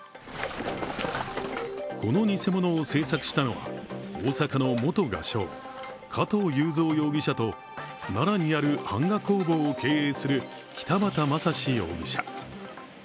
この偽物を制作したのは大阪の元画商、加藤雄三容疑者と奈良にある版画工房を経営する北畑雅史容疑者。